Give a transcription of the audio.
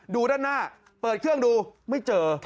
ดูด้านหน้าเปิดเครื่องดูไม่เจอ